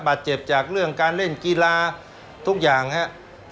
บาดเจ็บจากเรื่องการเล่นกีฬาทุกอย่างครับ